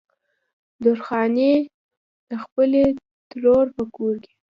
درخانۍ د خپلې ترور په کور